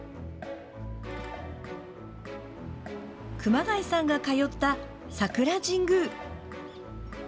熊谷さんが通った、桜神宮。